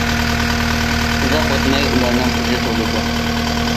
ئۇزاق ئۆتمەي ئۇلارنىڭ قىزى تۇغۇلىدۇ.